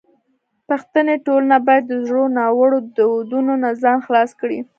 پښتني ټولنه باید د زړو ناوړو دودونو نه ځان خلاص کړي.